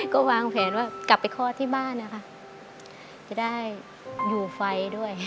ก็วางแผนว่ากลับไปคลอดที่บ้านนะคะจะได้อยู่ไฟด้วย